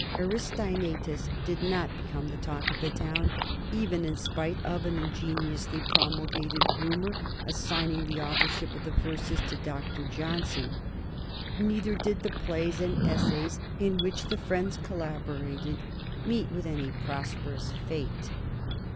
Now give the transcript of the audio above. Aristaenetus did not become the talk of the town even in spite of an ingeniously promulgated rumor assigning the authorship of the verses to Dr. Johnson. Neither did the plays and essays in which the friends collaborated meet with any prosperous fate.